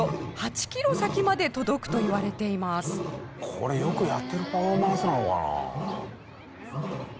これよくやってるパフォーマンスなのかな？